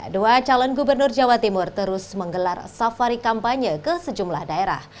dua calon gubernur jawa timur terus menggelar safari kampanye ke sejumlah daerah